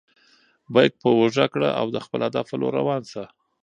بیک په اوږه کړه او د خپل هدف په لور روان شه.